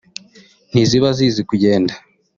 ntiziba zizi kugenda